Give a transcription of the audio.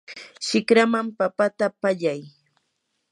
shikraman papata pallay.